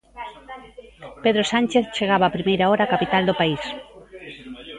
Pedro Sánchez chegaba á primeira hora á capital do país.